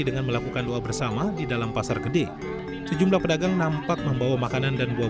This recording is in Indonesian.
dengan melakukan doa bersama di dalam pasar gede sejumlah pedagang nampak membawa makanan dan buah